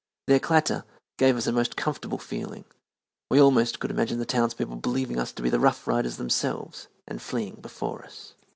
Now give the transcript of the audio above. Their clatter gave us a most comfortable feeling. We almost could imagine the townspeople believing us to be the Rough Riders themselves and fleeing before us.